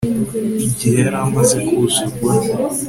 igihe yari amaze kuzurwa